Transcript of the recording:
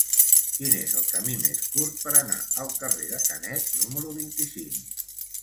Quin és el camí més curt per anar al carrer de Canet número vint-i-cinc?